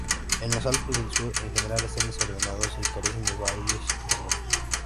En los Alpes del sur, en general están desordenados y carecen de valles profundos.